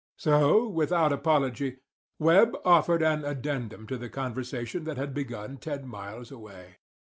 So, without apology, Webb offered an addendum to the conversation that had begun ten miles away.